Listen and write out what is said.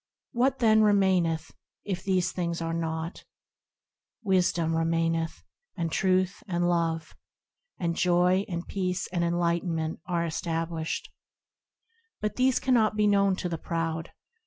What, then, remaineth, if these things are as naught ? Wisdom remaineth, and Truth and Love ; And Joy and Peace and Enlightenment are established. But these cannot be known to the proud.